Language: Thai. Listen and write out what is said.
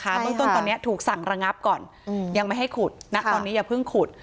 เบื้องต้นตอนนี้ถูกสั่งระงับก่อนยังไม่ให้ขุดณตอนนี้อย่าเพิ่งขุด